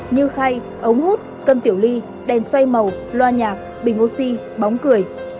như khay ống hút cân tiểu ly đèn xoay màu loa nhạc bình oxy bóng cười